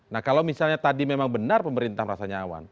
nah kalau misalnya tadi memang benar pemerintah merasa nyaman